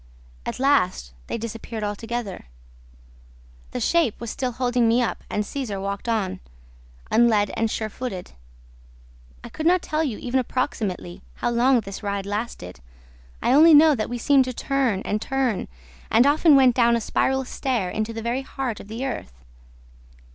At last, they disappeared altogether. The shape was still holding me up and Cesar walked on, unled and sure footed. I could not tell you, even approximately, how long this ride lasted; I only know that we seemed to turn and turn and often went down a spiral stair into the very heart of the earth.